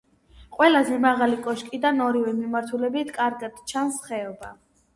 ყველაზე მაღალი კოშკიდან ორივე მიმართულებით კარგად ჩანს ხეობა.